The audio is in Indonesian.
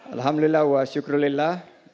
alhamdulillah wa syukurillah